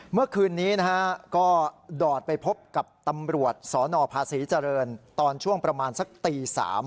เมื่อคืนนี้ก็ดอดไปพบกับตำรวจสอนอพาศรีจำเรินตอนช่วงประมาณสักตี๓